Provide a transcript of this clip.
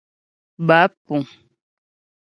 Báp puŋ.